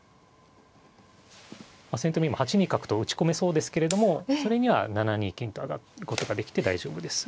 先手も今８二角と打ち込めそうですけれどもそれには７二金と上がることができて大丈夫です。